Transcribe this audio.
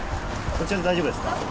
こちらで大丈夫ですか。